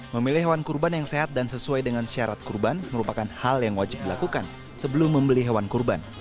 memilih hewan kurban yang sehat dan sesuai dengan syarat kurban merupakan hal yang wajib dilakukan sebelum membeli hewan kurban